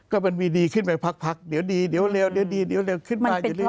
ก็มันมีดีขึ้นไปพักเดี๋ยวดีเดี๋ยวเร็วเดี๋ยวดีเดี๋ยวเร็วขึ้นมาอยู่เรื่อ